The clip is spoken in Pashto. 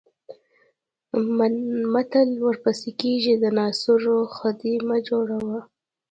متل ورپسې کېږي د ناصرو خدۍ مه جوړوه.